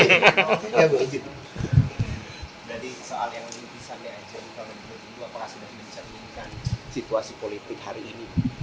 itu apakah sudah mencerminkan situasi politik hari ini